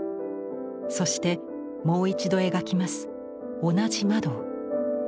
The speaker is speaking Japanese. そしてもう一度描きます同じ窓を。